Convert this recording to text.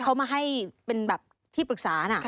เขามาให้เป็นแบบที่ปรึกษานะ